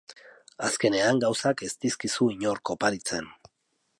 Azkenean, gauzak ez dizkizu inork oparitzen.